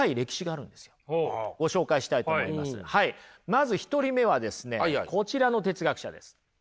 まず１人目はですねこちらの哲学者です。